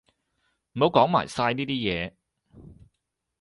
唔好講埋晒呢啲嘢